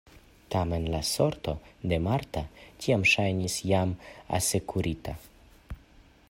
Tamen la sorto de Marta tiam ŝajnis jam asekurita.